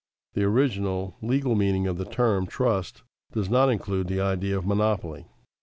_ The original, legal meaning of the term trust does not include the idea of monopoly.